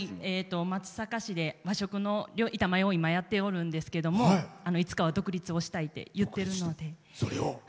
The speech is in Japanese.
松阪市で和食の板前を今、やっておるんですけどいつかは独立をしたいと言っているので。